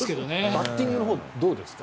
バッティングのほうどうですか？